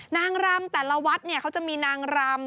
นางรำแต่ละวัดเขาจะมีนางรำ